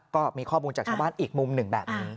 ก็มีข้อมูลจากชาวบ้านอีกมุมหนึ่งแบบนี้